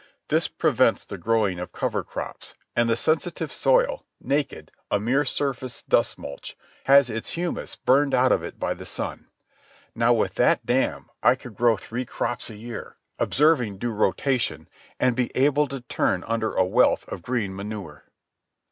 This prevents the growing of cover crops, and the sensitive soil, naked, a mere surface dust mulch, has its humus burned out of it by the sun. Now with that dam I could grow three crops a year, observing due rotation, and be able to turn under a wealth of green manure.